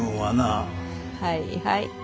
はいはい。